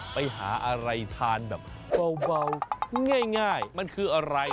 ไปหาอะไรทานแบบเบาง่ายมันคืออะไร